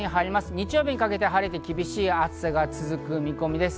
日曜日にかけて晴れて、強い暑さが続く見込みです。